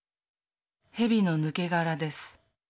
「へびの抜け殻です」。